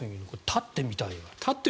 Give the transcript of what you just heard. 立ってみたい。